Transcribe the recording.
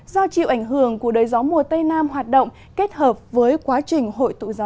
do chịu ảnh hưởng của đới gió mùa tây nam hoạt động kết hợp với quá trình hội tụ gió